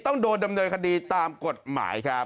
ต้องโดนดำเนินคดีตามกฎหมายครับ